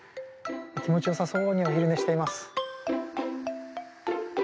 気持ちよさそうにお昼寝しています。